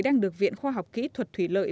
đang được viện khoa học kỹ thuật thủy lợi